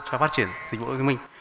cho phát triển dịch vụ thông minh